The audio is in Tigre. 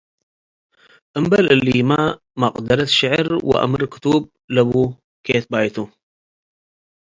እምበል እሊመ መቅደረት ሸዕር ወአምር-ክቱብ ለቡ ኬትባይ ቱ ።